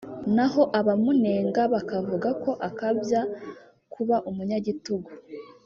naho abamunenga bakavuga ko akabya kuba umunyagitugu